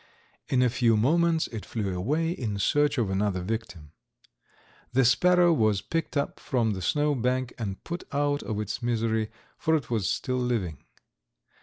In a few moments it flew away in search of another victim. The sparrow was picked up from the snow bank and put out of its misery, for it was still living.